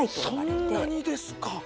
そんなにですか！